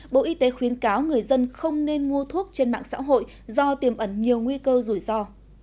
bộ y tế khuyến cáo người dân không nên mua thuốc trên mạng xã hội do tiềm ẩn nhiều nguy cơ rủi ro